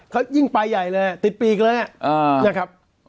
เขายิ่งไปใหญ่เลยติดปีกเลยนะครับ